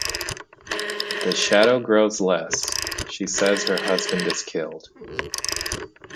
If the shadow grows less, she says her husband is killed.